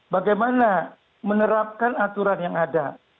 bagaimana menerapkan aturan yang ada